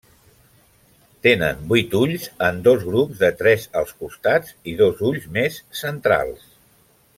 Tenen vuit ulls en dos grups de tres als costats i dos ulls més centrals.